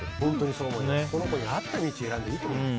その子に合った道を選んでいいと思います。